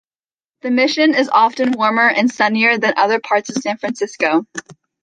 The Mission is often warmer and sunnier than other parts of San Francisco.